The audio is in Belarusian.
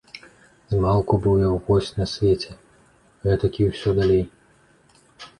Змалку быў як госць на свеце, гэтак і ўсё далей.